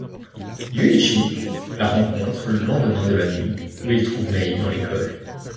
Yuichi la rencontre le lendemain de la nuit où il trouve Mai dans l'école.